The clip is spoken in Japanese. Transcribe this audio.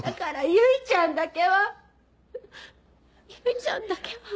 唯ちゃんだけは。